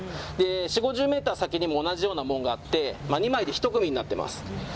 ４０５０ｍ先にも同じような門があって２枚で１組になっています。